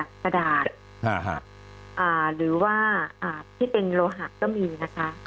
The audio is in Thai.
อันนี้ก็จะมีหลายคนที่ตระหนักในเรื่องนี้ก็พยายามไม่ใช้หลอดพลาสติก